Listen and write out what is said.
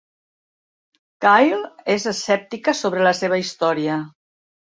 Kyle és escèptica sobre la seva història.